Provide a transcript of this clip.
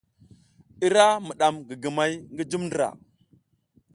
Ira miɗam gigimay ngi jum ndra.